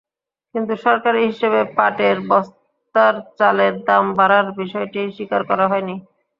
কিন্তু সরকারি হিসাবে, পাটের বস্তার চালের দাম বাড়ার বিষয়টি স্বীকার করা হয়নি।